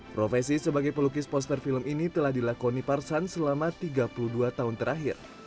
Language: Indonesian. profesi sebagai pelukis poster film ini telah dilakoni parsan selama tiga puluh dua tahun terakhir